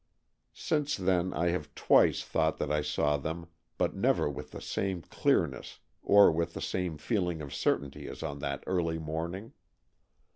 Since then I have twice thought that I saw them, but never with the same clearness or with the same feeling of certainty as on that early morning.